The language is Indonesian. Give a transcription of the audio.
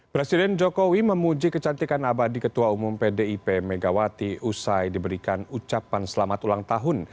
presiden jokowi memuji kecantikan abadi ketua umum pdip megawati usai diberikan ucapan selamat ulang tahun